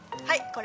はい。